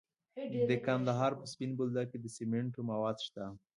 د کندهار په سپین بولدک کې د سمنټو مواد شته.